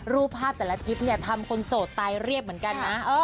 รูปภาพแต่ละทริปเนี่ยทำคนโสดตายเรียบเหมือนกันนะ